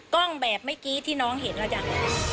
กล้องแบบเมื่อกี๊ที่น้องเห็นรึยัง